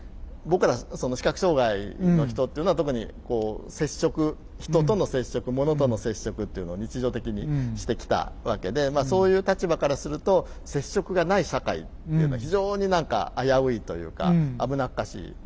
僕ら視覚障害の人っていうのは特にこう接触人との接触ものとの接触っていうのを日常的にしてきたわけでそういう立場からすると接触がない社会っていうのは非常に何か危ういというか危なっかしい。